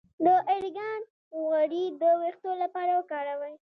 د ارګان غوړي د ویښتو لپاره وکاروئ